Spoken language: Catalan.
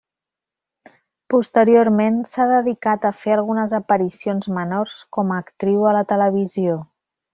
Posteriorment s'ha dedicat a fer algunes aparicions menors com a actriu a la televisió.